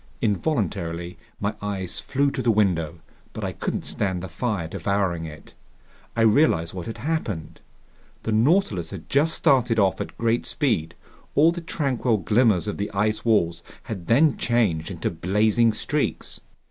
Involuntarily my eyes flew to the window, but I couldn't stand the fire devouring it. I realized what had happened. The Nautilus had just started off at great speed. All the tranquil glimmers of the ice walls had then changed into blazing streaks.